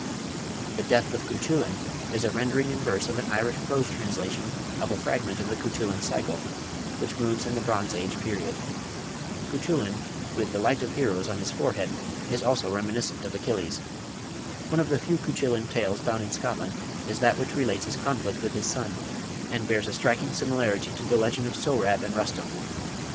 The "Death of Cuchullin" is a rendering in verse of an Irish prose translation of a fragment of the Cuchullin Cycle, which moves in the Bronze Age period. Cuchullin, with "the light of heroes" on his forehead, is also reminiscent of Achilles. One of the few Cuchullin tales found in Scotland is that which relates his conflict with his son, and bears a striking similarity to the legend of Sohrab and Rustum.